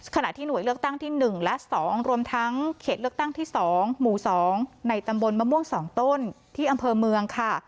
ขณะที่หน่วยเลือกตั้งที่๑และ๒รวมทั้งเขตเลือกตั้งที่๒หมู่๒ในตำบลมะม่วง๒ต้นที่อำเภอเมืองค่ะ